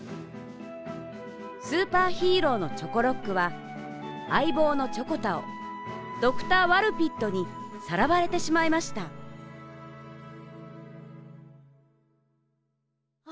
スーパーヒーローのチョコロックはあいぼうのチョコタをドクター・ワルピットにさらわれてしまいましたあ